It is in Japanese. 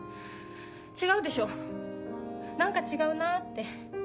違うでしょ何か違うなぁって。